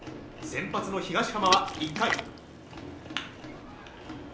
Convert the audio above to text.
先発の東浜は１回。